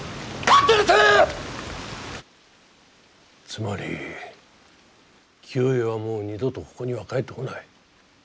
つまり清恵はもう二度とここには帰ってこない。